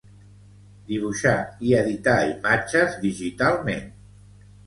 Dibuixar i editar imatges digitalment.